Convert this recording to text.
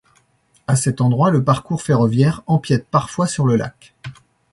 À cet endroit, le parcours ferroviaire empiète parfois sur le lac.